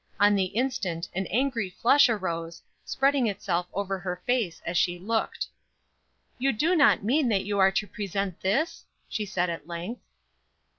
On the instant an angry flush arose, spreading itself over her face as she looked. "You do not mean that you are to present this?" she said, at length.